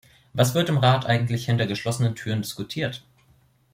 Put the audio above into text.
Was wird im Rat eigentlich hinter geschlossenen Türen diskutiert?